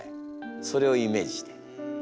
それをイメージして。